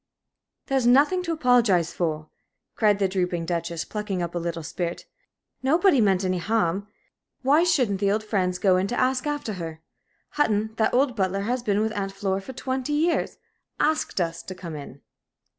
"There's nothing to apologize for," cried the drooping Duchess, plucking up a little spirit. "Nobody meant any harm. Why shouldn't the old friends go in to ask after her? Hutton that old butler that has been with Aunt Flora for twenty years asked us to come in."